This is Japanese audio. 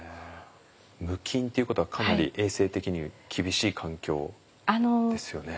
無菌っていうことはかなり衛生的に厳しい環境ですよね。